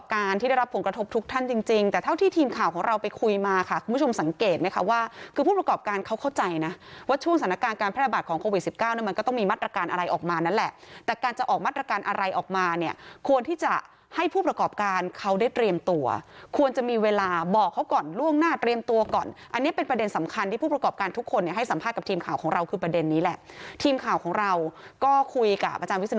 การพระบาทของโควิด๑๙มันก็ต้องมีมาตรการอะไรออกมานั่นแหละแต่การจะออกมาตรการอะไรออกมาเนี่ยควรที่จะให้ผู้ประกอบการเขาได้เตรียมตัวควรจะมีเวลาบอกเขาก่อนล่วงหน้าเตรียมตัวก่อนอันนี้เป็นประเด็นสำคัญที่ผู้ประกอบการทุกคนให้สัมภาษณ์กับทีมข่าวของเราคือประเด็นนี้แหละทีมข่าวของเราก็คุยกับอาจารย์